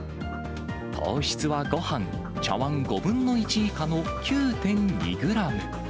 糖質はごはん茶わん５分の１以下の９．２グラム。